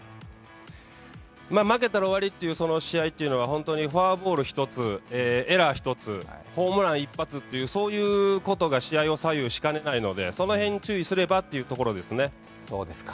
負けたら終わりっていう試合というのはフォアボール１つ、エラー１つ、ホームラン一発ということが試合を左右しかねないのでその辺注意すればというところですね。